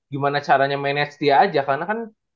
gimana caranya manage dia aja karena kan